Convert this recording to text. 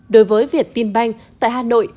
đối với việt tiên banh tại hà nội